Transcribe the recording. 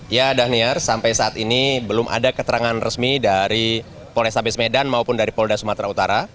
ya dhaniar sampai saat ini belum ada keterangan resmi dari polres abes medan maupun dari polda sumatera utara